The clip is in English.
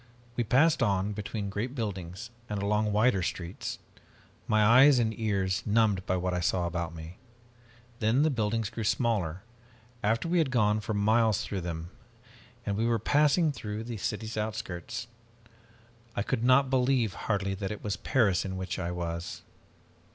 We passed on, between great buildings and along wider streets, my eyes and ears numbed by what I saw about me. Then the buildings grew smaller, after we had gone for miles through them, and we were passing through the city's outskirts. I could not believe, hardly, that it was Paris in which I was.